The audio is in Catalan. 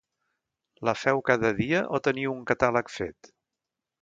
La feu cada dia o teniu un catàleg fet?